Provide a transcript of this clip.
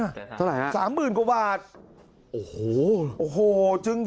อาทิตย์๒๕อาทิตย์